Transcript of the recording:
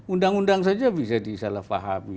undang undang saja bisa disalahpahami